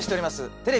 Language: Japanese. テレビ